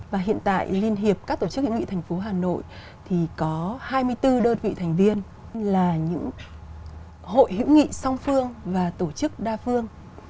và hiện tại liên hiệp các tổ chức hữu nghị thành phố hà nội thì có hai mươi bốn đơn vị thành viên là những hội hữu nghị song phương và tổ chức đa phương